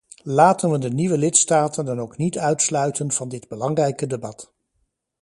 Laten we de nieuwe lidstaten dan ook niet uitsluiten van dit belangrijke debat.